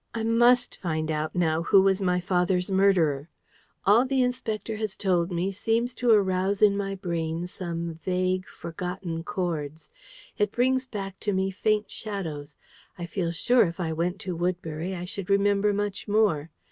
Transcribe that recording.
I MUST find out now who was my father's murderer! All the Inspector has told me seems to arouse in my brain some vague, forgotten chords. It brings back to me faint shadows. I feel sure if I went to Woodbury I should remember much more.